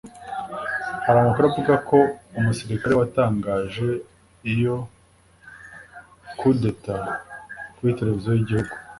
Hari amakuru avuga ko umusilikare watangaje iyo kudeta kuri televisiyo y’igihugu